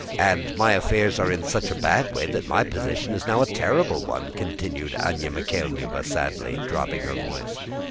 And my affairs are in such a bad way that my position is now a terrible one," continued Anna Mikháylovna, sadly, dropping her voice.